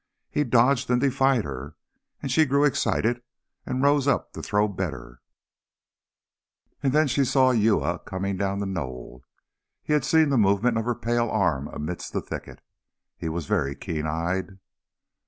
He dodged and defied her, and she grew excited and rose up to throw better, and then she saw Uya coming down the knoll. He had seen the movement of her pale arm amidst the thicket he was very keen eyed.